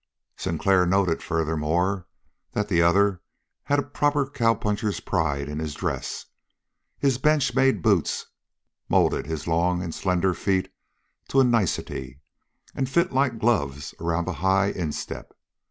Sinclair noted, furthermore, that the other had a proper cowpuncher's pride in his dress. His bench made boots molded his long and slender feet to a nicety and fitted like gloves around the high instep.